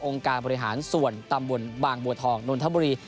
การบริหารส่วนตำบลบางบัวทองนนทบุรี